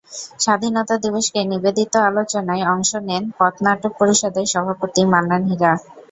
স্বাধীনতা দিবসকে নিবেদিত আলোচনায় অংশ নেন পথনাটক পরিষদের সভাপতি মান্নান হীরা।